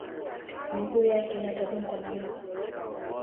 Miguu yake yatadungwa na miba